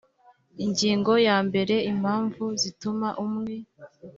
ingingo ya mbere impamvu zituma umwe